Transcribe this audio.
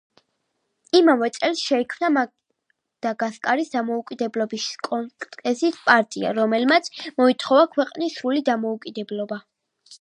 იმავე წელს შეიქმნა მადაგასკარის დამოუკიდებლობის კონგრესის პარტია, რომელმაც მოითხოვა ქვეყნის სრული დამოუკიდებლობა.